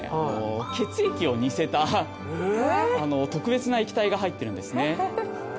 血液を似せた特別な液体が入ってるんですね。